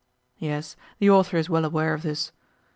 Yes, the author is well aware of this.